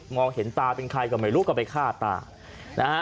เห็นตาเป็นใครก็ไม่รู้ก็ไปฆ่าตานะฮะ